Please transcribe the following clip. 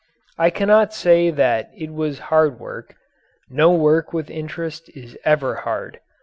I cannot say that it was hard work. No work with interest is ever hard.